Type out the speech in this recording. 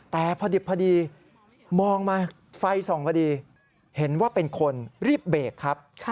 แต่พอดิบพอดีมองมาไฟส่องพอดีเห็นว่าเป็นคนรีบเบรกครับ